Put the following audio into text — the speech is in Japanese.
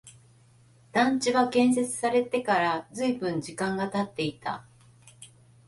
団地は建設されてから随分時間が経っていた